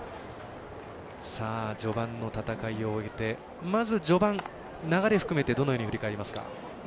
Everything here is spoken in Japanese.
序盤の戦いを終えてまず序盤、流れを含めてどのように振り返りますか。